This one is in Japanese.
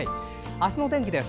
明日の天気です。